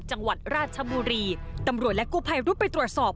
จังหวัดราชบุรีตำรวจและกู้ภัยรุดไปตรวจสอบ